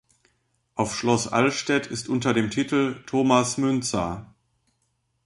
Auf Schloss Allstedt ist unter dem Titel „Thomas Müntzer.